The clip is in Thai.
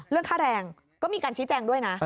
เรื่องค่าแรงก็มีการชี้แจงด้วยนะ